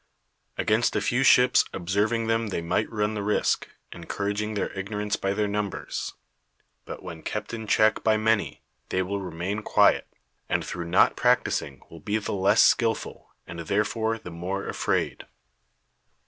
Against a few ships observing them they might run the risk, encouraging their ignorance by their numbers; but when kept in check by many, they will remain quiet; and through not practising will be the less skilful, and therefore the more afraid.